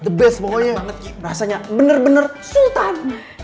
enak banget rasanya bener bener sultan